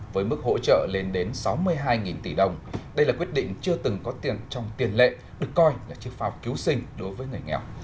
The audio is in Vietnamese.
với mức hỗ trợ lên đến sáu mươi hai tỷ đồng đây là quyết định chưa từng có tiền trong tiền lệ được coi là chiếc phao cứu sinh đối với người nghèo